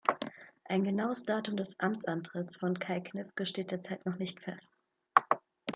Ein genaues Datum des Amtsantritts von Kai Gniffke steht derzeit noch nicht fest.